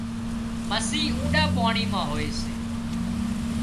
مسي اونڏا پاڻي مان هوئي سي